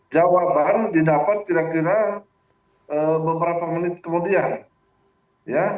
jawaban didapat kira kira beberapa menit kemudian ya